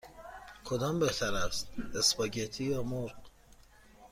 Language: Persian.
کدام بهتر است: اسپاگتی یا مرغ؟